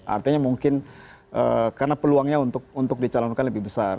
artinya mungkin karena peluangnya untuk dicalonkan lebih besar